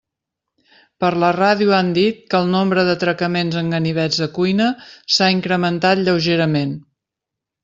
Per la ràdio han dit que el nombre d'atracaments amb ganivets de cuina s'ha incrementat lleugerament.